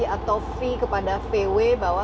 atau fee kepada vw bahwa